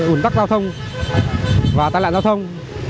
tăng lạc giao thông và tăng lạc giao thông